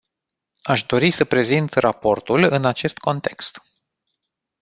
Aș dori să prezint raportul în acest context.